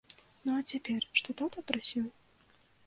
Ну, а цяпер, што тата прасіў?